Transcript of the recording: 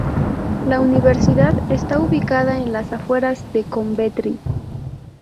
La Universidad está ubicada en las afueras de Coventry.